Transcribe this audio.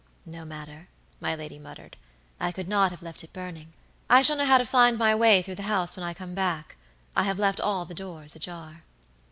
"No matter," my lady muttered, "I could not have left it burning. I shall know how to find my way through the house when I come back. I have left all the doors ajar."